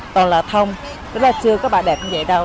toàn là thông rất là chưa có bãi đẹp như vậy đâu